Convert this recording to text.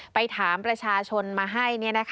ไปถามประชาชนมาให้